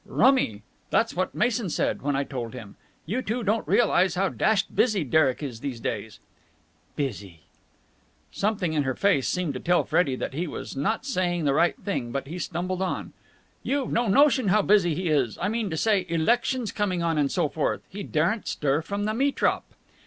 "Rummy! That's what Mason said, when I told him. You two don't realize how dashed busy Derek is these days." "Busy!" Something in her face seemed to tell Freddie that he was not saying the right thing, but he stumbled on. "You've no notion how busy he is. I mean to say, elections coming on and so forth. He daren't stir from the metrop."